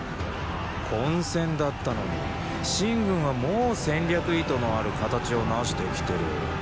混戦だったのに秦軍はもう戦略意図のある形を成してきてる。